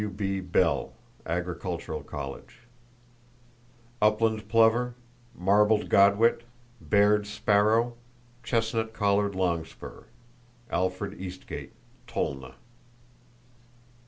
—(W.B. Bell, Agricultural College.) Upland plover, marbled godwit, Baird's sparrow, chestnut collared longspur.—(Alfred Eastgate, Tolna.)